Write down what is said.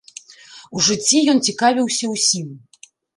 У жыцці ён цікавіўся ўсім.